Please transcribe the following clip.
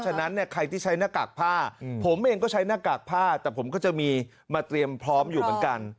ฉะนั้นเนี่ยใครที่ใช้หน้ากากผ้าผมเองก็ใช้หน้ากากผ้าแต่ผมก็จะมีมาเตรียมพร้อมอยู่เหมือนกัน